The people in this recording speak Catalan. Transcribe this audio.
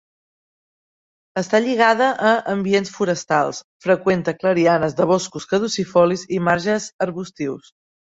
Està lligada a ambients forestals: freqüenta clarianes de boscos caducifolis i marges arbustius.